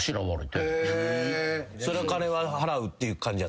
その金は払うっていう感じやったんすか？